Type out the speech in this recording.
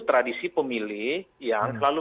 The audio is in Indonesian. tradisi pemilih yang selalu